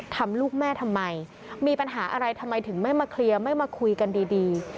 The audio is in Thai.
ทำลูกแม่ทำไมมีปัญหาอะไรทำไมถึงไม่มาเคลียร์ไม่มาคุยกันดี